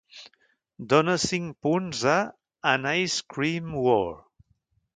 Dona cinc punts a An Ice-Cream War.